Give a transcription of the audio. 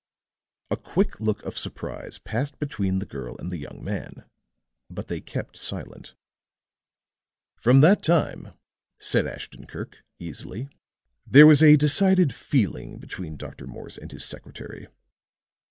A quick look of surprise passed between the girl and the young man; but they kept silent. "From that time," said Ashton Kirk, easily, "there was a decided feeling between Dr. Morse and his secretary.